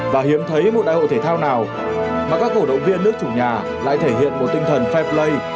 và hiếm thấy một đại hội thể thao nào mà các cổ động viên nước chủ nhà lại thể hiện một tinh thần fair play